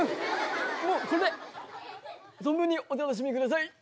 もうこれで存分にお楽しみください！